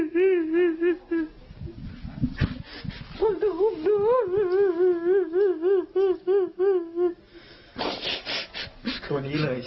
ตัวนี้เลยใช่ไหมครับ